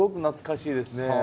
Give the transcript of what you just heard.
懐かしいですね。